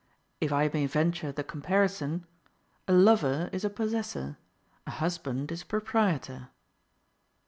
If I may venture the comparison: a lover is a possessor, a husband is a proprietor.